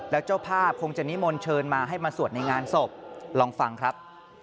แล้วเจ้าภาพคงจะนิมนต์เชิญมาให้มาสวดในงานศพลองฟังครับ